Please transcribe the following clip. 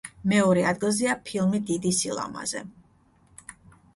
მეორე ადგილზეა ფილმი „დიდი სილამაზე“.